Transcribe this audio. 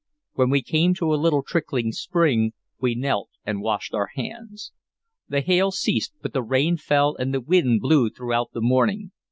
When we came to a little trickling spring, we knelt and washed our hands. The hail ceased, but the rain fell and the wind blew throughout the morning.